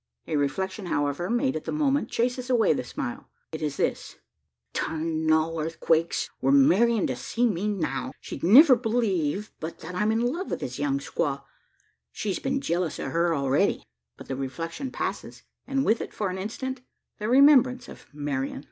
A reflection, however, made at the moment, chases away the smile. It is this: "'Tarnal earthquakes! were Marian to see me now! She'd never believe but that I'm in love with this young squaw: she's been jealous o' her already." But the reflection passes; and with it, for an instant, the remembrance of "Marian."